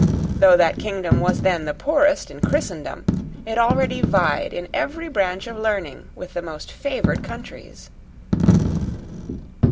Though that kingdom was then the poorest in Christendom, it already vied in every branch of learning with the most favoured countries.